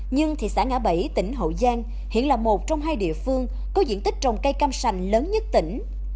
nhưng thị xã ngã bảy tỉnh hậu giang hiện là một trong hai địa phương có diện tích trồng cây cam sành lớn nhất tỉnh